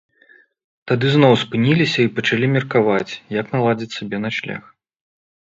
Тады зноў спыніліся і пачалі меркаваць, як наладзіць сабе начлег.